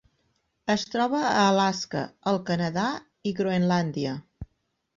Es troba a Alaska, el Canadà i Groenlàndia.